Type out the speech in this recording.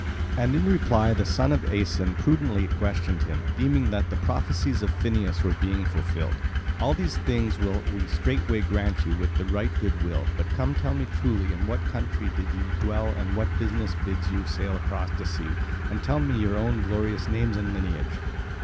And in reply the son of Aeson prudently questioned him, deeming that the prophecies of Phineus were being fulfilled: "All these things will we straightway grant you with right good will. But come tell me truly in what country ye dwell and what business bids you sail across the sea, and tell me your own glorious names and lineage."